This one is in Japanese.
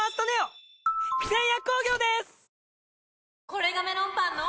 これがメロンパンの！